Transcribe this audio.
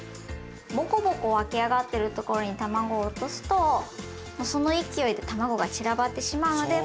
ぼこぼこ湧き上がっているところにたまごを落とすとその勢いでたまごが散らばってしまうので。